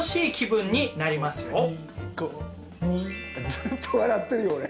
ずっと笑ってるよ俺。